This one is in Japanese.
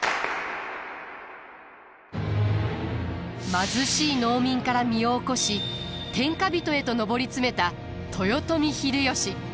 貧しい農民から身を起こし天下人へと上り詰めた豊臣秀吉。